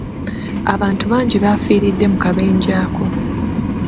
Abantu bangi bafiiridde mu kabenje ako.